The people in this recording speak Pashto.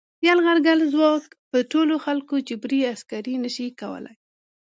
یرغلګر ځواک په ټولو خلکو جبري عسکري نه شي کولای.